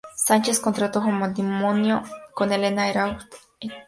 Sánchez contrajo matrimonio con Elena Errázuriz Echenique.